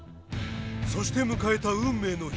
そして迎えた運命の日。